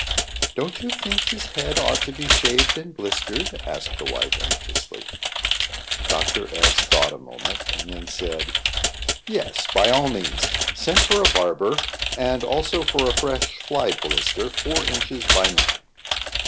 "Don't you think his head ought to be shaved and blistered?" asked the wife, anxiously. Dr. S thought a moment, and then said "Yes, by all means. Send for a barber; and also for a fresh fly blister, four inches by nine."